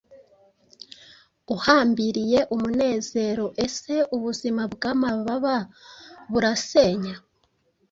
Uhambiriye umunezero Ese ubuzima bwamababa burasenya;